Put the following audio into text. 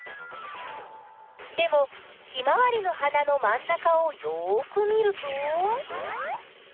でもヒマワリの花の真ん中をよく見ると。